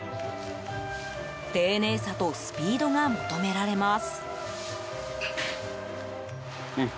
丁寧さとスピードが求められます。